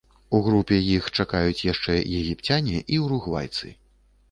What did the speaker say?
У групе іх чакаюць яшчэ егіпцяне і уругвайцы.